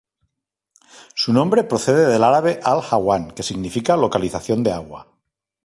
Su nombre procede del árabe Al-hawan, que significa localización de agua.